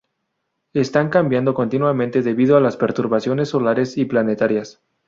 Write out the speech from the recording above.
Están cambiando continuamente debido a las perturbaciones solares y planetarias.